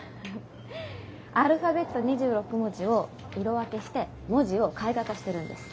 アルファベット２６文字を色分けして文字を絵画化してるんです。